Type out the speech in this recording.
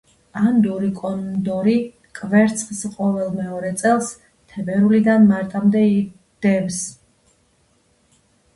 ანდური კონდორი კვერცხს ყოველ მეორე წელს, თებერვლიდან მარტამდე დებს.